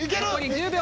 １０秒！